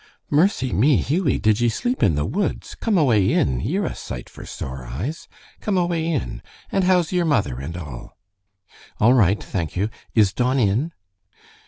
"Mercy me, Hughie! Did ye sleep in the woods? Come away in. Ye're a sight for sore eyes. Come away in. And how's ye're mother and all?" "All right, thank you. Is Don in?"